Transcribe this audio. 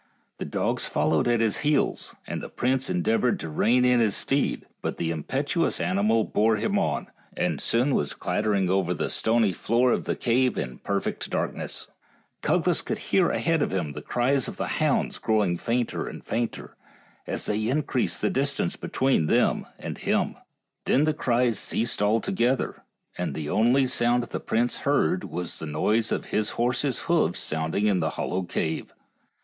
The dogs followed at his heels, and the prince endeavored to rein in his steed, but the impetuous animal bore him on, and soon was clattering over the stony floor of the cave in perfect darkness. Cuglas could THE ENCHANTED CAVE 51 hear ahead of him the cries of the hounds grow ing fainter and fainter, as they increased the distance between them and him. Then the cries ceased altogether, and the only sound the prince heard was the noise of his horse's hoofs sound ing in the hollow cave.